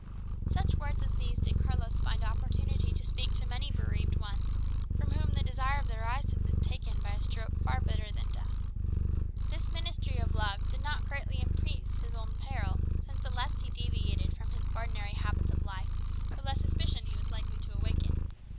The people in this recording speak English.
Such words as these did Carlos find opportunity to speak to many bereaved ones, from whom the desire of their eyes had been taken by a stroke far more bitter than death. This ministry of love did not greatly increase his own peril, since the less he deviated from his ordinary habits of life the less suspicion he was likely to awaken.